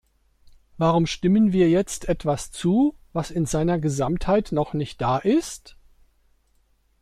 Warum stimmen wir jetzt etwas zu, was in seiner Gesamtheit noch nicht da ist?